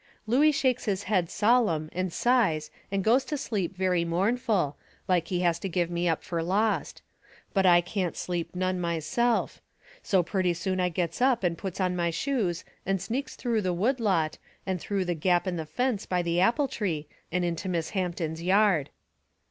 Looey shakes his head solemn and sighs and goes to sleep very mournful, like he has to give me up fur lost. But I can't sleep none myself. So purty soon I gets up and puts on my shoes and sneaks through the wood lot and through the gap in the fence by the apple tree and into Miss Hampton's yard.